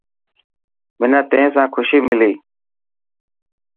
منان تين سان خوشي ملي.